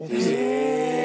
へえ！